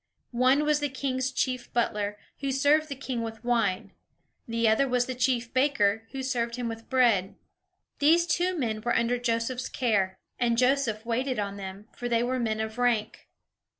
One was the king's chief butler, who served the king with wine; the other was the chief baker, who served him with bread. These two men were under Joseph's care; and Joseph waited on them, for they were men of rank.